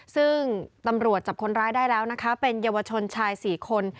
ซึ่งตำรวจจับคนร้ายได้แล้วนะคะเป็นเยาวชนชาย๔คน